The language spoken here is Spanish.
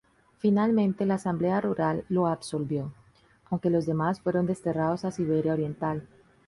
Finalmente, la asamblea rural lo absolvió, aunque los demás fueron desterrados a Siberia Oriental.